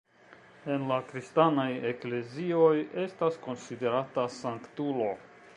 En la kristanaj eklezioj estas konsiderata sanktulo.